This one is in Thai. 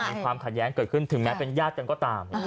มีความขัดแย้งเกิดขึ้นถึงแม้เป็นญาติกันก็ตาม